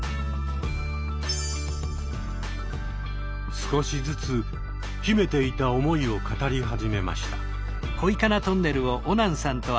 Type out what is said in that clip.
少しずつ秘めていた思いを語り始めました。